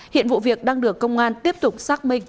hiện vụ việc đang được công an tiếp tục xác minh